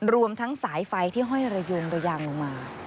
รวมทั้งสายไฟที่ห้อยระยงระยางลงมา